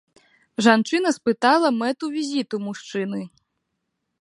Жанчына спытала мэту візіту мужчыны.